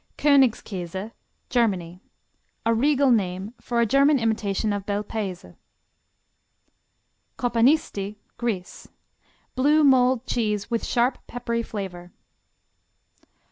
Konigskäse Germany A regal name for a German imitation of Bel Paese. Kopanisti Greece Blue mold cheese with sharp, peppery flavor.